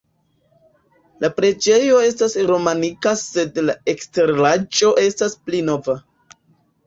La preĝejo estas romanika sed la eksteraĵo estas pli nova.